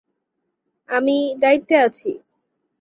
আমিই দায়িত্বে আছি।